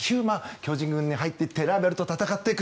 巨人軍に入ってライバルと戦っていく。